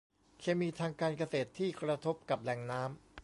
เคมีทางการเกษตรที่กระทบกับแหล่งน้ำ